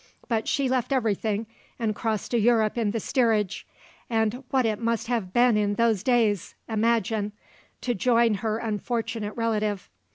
But she left everything and crossed to Europe in the steerage and what it must have been in those days! imagine! to join her unfortunate relative.